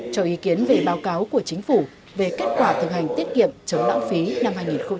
cho ý kiến về báo cáo của chính phủ về kết quả thực hành tiết kiệm chống lãng phí năm hai nghìn hai mươi